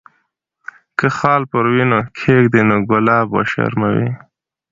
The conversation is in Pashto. که خال پر وینو کښېږدي، نو ګلاب وشرموي.